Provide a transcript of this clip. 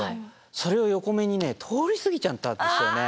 それを横目にね通り過ぎちゃったんですよね。